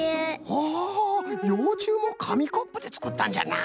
ほほうようちゅうもかみコップでつくったんじゃな。